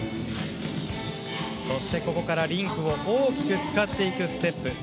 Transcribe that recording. そして、リンクを大きく使っていくステップ。